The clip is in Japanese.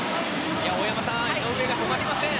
大山さん、井上が止まりません。